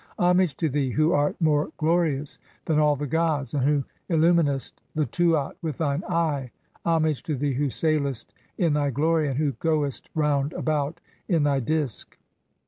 Homage to thee "who art more glorious than [all] the gods and who illuminest "the Tuat with thine Eye. Homage to thee who sailest in thy "glory and who goest round about in thy Disk."